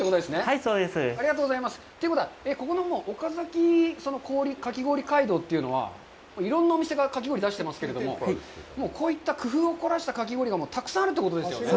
はい、そうです。ということは、ここの「おかざきかき氷街道」というのは、いろんなお店がかき氷を出してますけども、こういった工夫を凝らしたかき氷がたくさんあるということですよね。